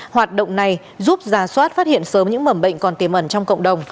hoạt động này giúp giả soát phát hiện sớm những mầm bệnh còn tiềm ẩn trong cộng đồng